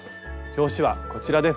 表紙はこちらです。